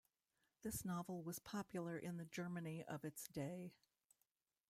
This novel was popular in the Germany of its day.